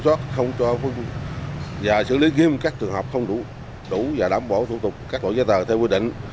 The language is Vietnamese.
soát không cho và xử lý ghim các trường hợp không đủ và đảm bảo thủ tục cắt bỏ giá tờ theo quy định